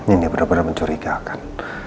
ini bener bener mencurigakan